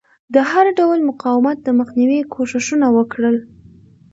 د هر ډول مقاومت د مخنیوي کوښښونه وکړل.